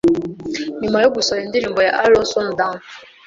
nyuma yo gusohora indirimbo ye ‘Alors on danse